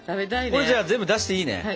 これじゃあ全部出していいね。